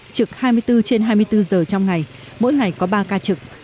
trực hai mươi bốn trên hai mươi bốn giờ trong ngày mỗi ngày có ba ca trực